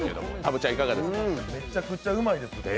むちゃくちゃうまいですね。